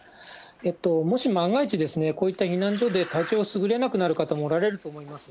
もし万が一、こういった避難所で体調がすぐれなくなる方もおられると思います。